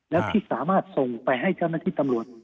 แล้วที่สามารถส่งไปให้เจ้าหน้าที่ตำรวจ